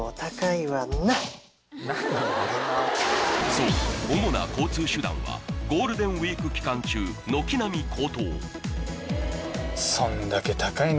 そう主な交通手段はゴールデンウイーク期間中いやでも。